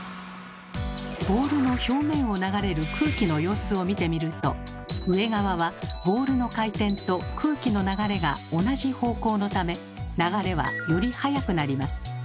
ボールの表面を流れる空気の様子を見てみると上側は「ボールの回転」と「空気の流れ」が同じ方向のため流れはより速くなります。